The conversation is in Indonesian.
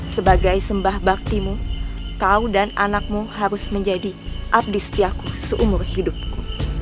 sebagai sembah baktimu kau dan anakmu harus menjadi abdi setiaku seumur hidupku